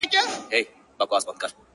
ما ويل نن ددغه چا پر كلي شپه تېــــــــروم؛